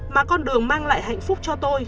mà con đường mang lại hạnh phúc cho tôi